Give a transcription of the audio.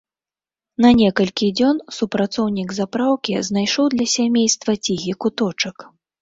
На некалькі дзён супрацоўнік запраўкі знайшоў для сямейства ціхі куточак.